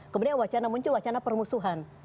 kemudian wacana muncul wacana permusuhan